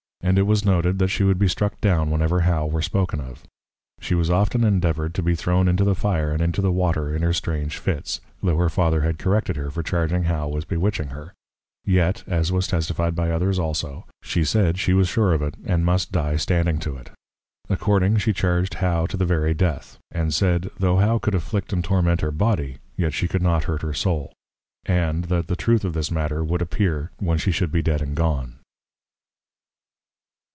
And it was noted, that she would be struck down whenever How were spoken of. She was often endeavoured to be thrown into the Fire, and into the Water, in her strange Fits: Tho' her Father had corrected her for charging How with bewitching her, yet (as was testified by others also) she said, She was sure of it, and must dye standing to it. Accordingly she charged How to the very Death; and said, Tho' How could afflict and torment her Body, yet she could not hurt her Soul: And, _That the Truth of this matter would appear, when she should be dead and gone.